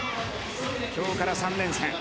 今日から３連戦。